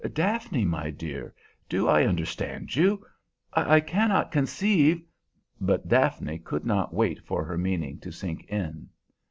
"Daphne, my dear! Do I understand you? I cannot conceive" But Daphne could not wait for her meaning to sink in.